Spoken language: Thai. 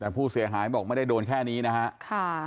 แต่ผู้เสียหายบอกไม่ได้โดนแค่นี้นะครับ